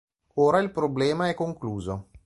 Ora il problema è concluso.